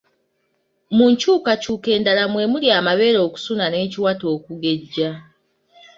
Mu nkyukakyuka endala mwe muli amabeere okusuna n'ekiwato okugejja.